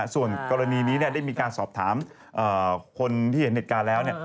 ส่วนกรณีนี้ได้มีการสอบถามคนที่เห็นเหตุการณ์แล้ว